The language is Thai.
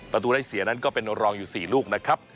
ประตูได้เสียนั้นก็เป็นรองอยู่๔ลูกนะครับ